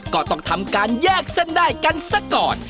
ก็ต้องทำการแยกเส้นได้กันซะก่อน